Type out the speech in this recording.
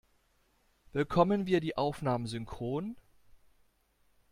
Bekommen wir die Aufnahmen synchron?